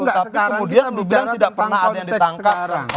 tapi kemudian kita bicara tentang konteks sekarang